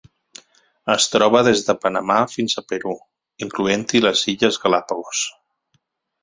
Es troba des de Panamà fins al Perú, incloent-hi les Illes Galápagos.